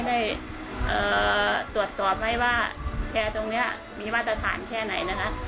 ได้ตรวจสอบไหมว่าแพร่ตรงนี้มีมาตรฐานแค่ไหนนะคะ